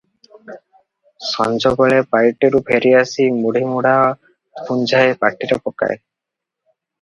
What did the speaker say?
ସଞ୍ଜବେଳେ ପାଇଟିରୁ ଫେରିଆସି ମୁଢ଼ିମୁଢ଼ା ପୁଞ୍ଜାଏ ପାଟିରେ ପକାଏ ।